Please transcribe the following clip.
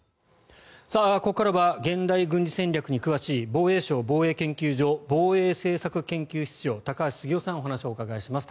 ここからは現代軍事戦略に詳しい防衛省防衛研究所防衛政策研究室長高橋杉雄さんにお話をお伺いします。